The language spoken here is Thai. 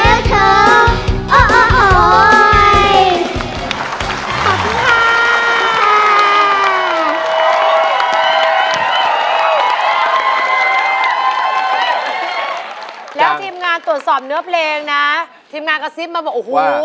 แล้วทีมงานตรวจสอบเนื้อเพลงนะทีมงานกระซิบมาบอกโอ้โห